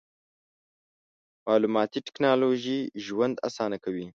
مالوماتي ټکنالوژي ژوند اسانه کوي.